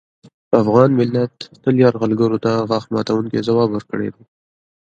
افغان ملت تل یرغلګرو ته غاښ ماتوونکی ځواب ورکړی دی